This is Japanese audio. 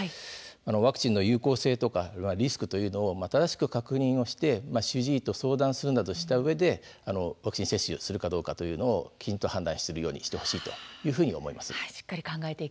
ワクチンの有効性とかリスクというのを確認して主治医と相談するなどしてワクチン接種をするかどうかというのをきちんと判断するようにしてほしいと思います。